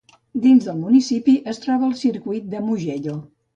Dins del municipi es troba el circuit de Mugello.